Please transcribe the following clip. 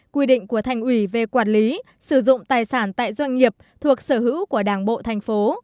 quy định của thành ủy về quản lý sử dụng tài sản tại doanh nghiệp thuộc sở hữu của đảng bộ thành phố